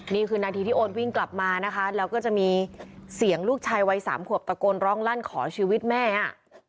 นี่คือนาทีที่โอนวิ่งกลับมานะคะแล้วก็จะมีเสียงลูกชายวัยสามขวบตะโกนร้องลั่นขอชีวิตแม่อ่ะ